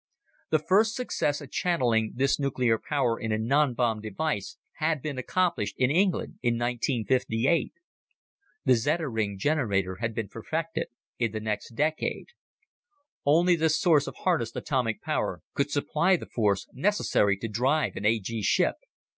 The first success at channeling this nuclear power in a nonbomb device had been accomplished in England in 1958. The Zeta ring generator had been perfected in the next decade. Only this source of harnessed atomic power could supply the force necessary to drive an A G ship.